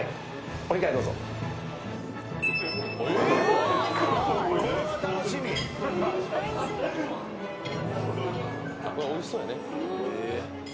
「おいしそうやね」